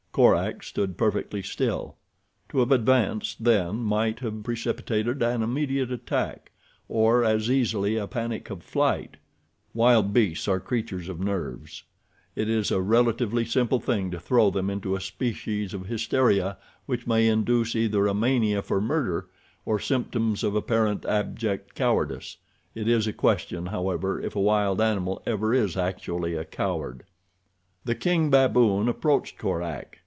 Korak stood perfectly still. To have advanced then might have precipitated an immediate attack, or, as easily, a panic of flight. Wild beasts are creatures of nerves. It is a relatively simple thing to throw them into a species of hysteria which may induce either a mania for murder, or symptoms of apparent abject cowardice—it is a question, however, if a wild animal ever is actually a coward. The king baboon approached Korak.